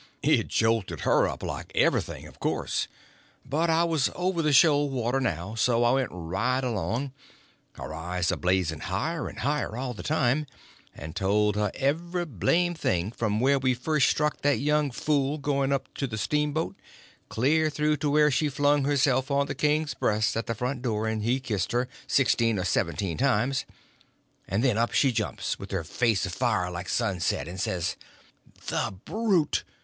It jolted her up like everything, of course; but I was over the shoal water now, so I went right along, her eyes a blazing higher and higher all the time, and told her every blame thing, from where we first struck that young fool going up to the steamboat, clear through to where she flung herself on to the king's breast at the front door and he kissed her sixteen or seventeen times—and then up she jumps, with her face afire like sunset, and says: "The brute!